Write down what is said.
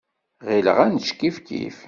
Ɣileɣ ad nečč kifkif.